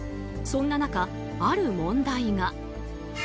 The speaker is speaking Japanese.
そんな中、ある問題が。